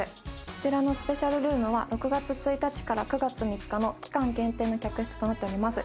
こちらのスペシャルルームは６月１日から９月３日の期間限定の客室となっております。